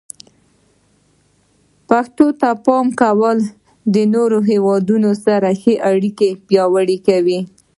پښتو ته د پام ورکول د نورو هیوادونو سره اړیکې پیاوړي کوي.